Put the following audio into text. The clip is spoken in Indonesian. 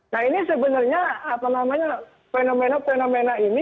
nah ini sebenarnya apa namanya fenomena fenomena ini